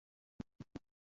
টানে টানে মজা পাবে।